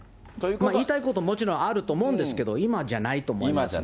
言いたいこと、もちろんあると思うんですけれども、今じゃないと思いますよね。